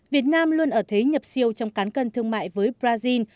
việt nam luôn ở thế nhập siêu trong cán cân thương mại với brazil